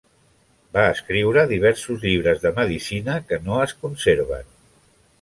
Va escriure diversos llibres de medicina que no es conserven.